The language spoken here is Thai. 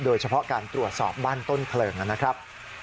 โดยเฉพาะการตรวจสอบบ้านต้นเพลิงนะครับ